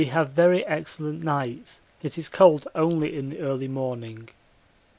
We have very excellent nights; it is cold only in the early morning.